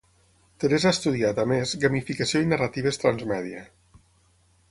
Teresa ha estudiat, a més, gamificació i narratives transmèdia.